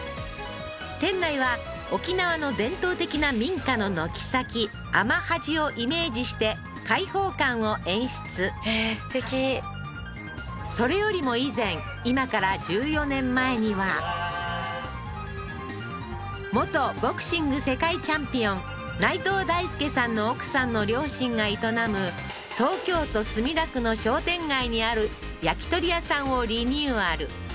店内は沖縄の伝統的な民家の軒先あまはじをイメージして開放感を演出へえーすてきそれよりも以前今から１４年前には元ボクシング世界チャンピオン内藤大助さんの奥さんの両親が営む東京都墨田区の商店街にある焼き鳥屋さんをリニューアル